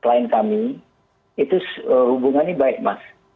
selain kami itu hubungannya baik mas